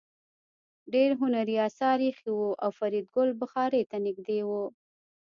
ډېر هنري اثار ایښي وو او فریدګل بخارۍ ته نږدې و